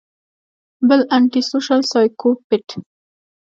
بل انټي سوشل سايکوپېت